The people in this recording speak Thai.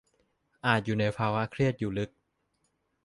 อาจอยู่ในภาวะเครียดอยู่ลึก